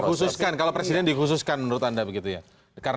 di khususkan kalau presiden di khususkan menurut anda begitu ya